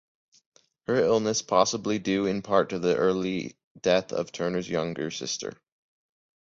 Her illness possibly due in part to the early death of Turner's younger sister.